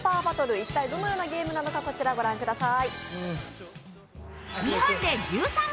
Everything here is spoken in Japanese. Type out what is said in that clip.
一体どのようなゲームなのかこちらご覧ください。